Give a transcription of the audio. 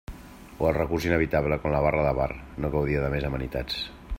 O el recurs inevitable quan la barra de bar no gaudia de més amenitats.